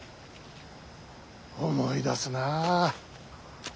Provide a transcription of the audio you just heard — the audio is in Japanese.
思い出すなあ。